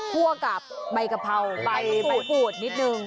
กับใบกะเพราใบกูดนิดนึง